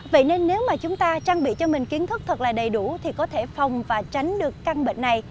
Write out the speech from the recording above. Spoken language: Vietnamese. vậy nên nếu mà chúng ta trang bị cho mình kiến thức thật là đầy đủ thì có thể phòng và tránh được căn bệnh này